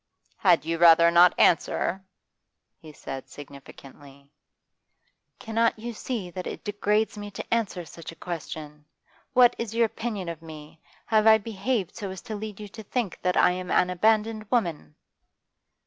'You had rather not answer?' he said significantly. 'Cannot you see that it degrades me to answer such a question? What is your opinion of me? Have I behaved so as to lead you to think that I am an abandoned woman?